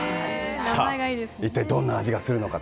一体どんな味がするのか。